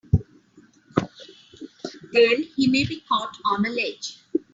Then he may be caught on a ledge!